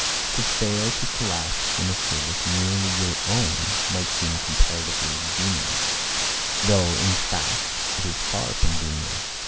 To fail, to collapse in a service merely your own, might seem comparatively venial; though, in fact, it is far from venial.